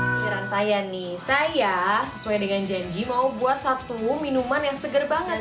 pikiran saya nih saya sesuai dengan janji mau buat satu minuman yang seger banget